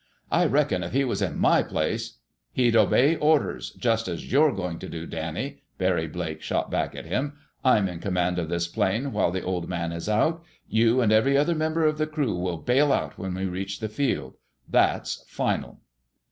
I reckon if he was in my place—" "He'd obey orders, just as you're going to do, Danny," Barry Blake shot back at him. "I'm in command of this plane, while the Old Man is out. You and every other member of the crew will bail out when we reach the field. That's final!"